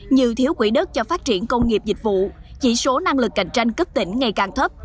như thiếu quỹ đất cho phát triển công nghiệp dịch vụ chỉ số năng lực cạnh tranh cấp tỉnh ngày càng thấp